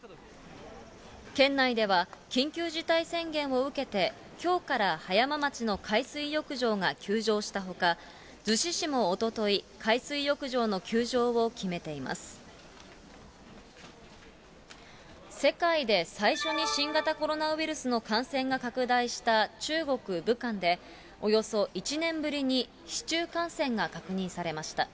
県内では緊急事態宣言を受けて、きょうから葉山町の海水浴場が休場したほか、逗子市もおととい、世界で最初に新型コロナウイルスの感染が拡大した中国・武漢で、およそ１年ぶりに市中感染が確認されました。